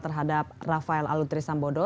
terhadap rafael alun trisambodo